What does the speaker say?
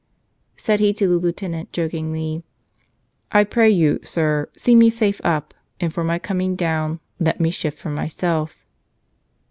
Said he to the Lieutenant, jokingly, "I pray you, sir, see me safe up, and for my coming down let me shift for myself."